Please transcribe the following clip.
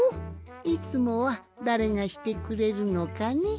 いつもはだれがしてくれるのかね？